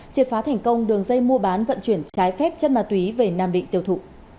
triệt phá thành công đường dây mua bán vận chuyển trái phép chất ma túy về nam định tiêu thụ